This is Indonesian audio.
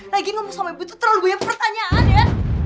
lagi ngomong sama ibu itu terlalu banyak pertanyaan ya